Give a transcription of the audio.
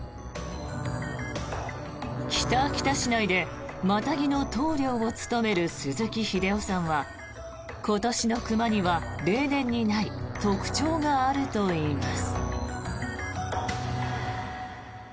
北秋田市内でマタギの頭領を務める鈴木英雄さんは今年の熊には、例年にない特徴があるといいます。